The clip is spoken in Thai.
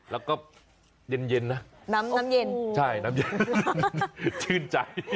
แล้วก็เย็นนะน้ำเย็นชื่นใจ